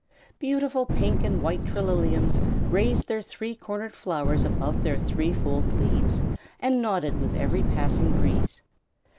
Beautiful pink and white trilliums raised their three cornered flowers above their threefold leaves and nodded with every passing breeze.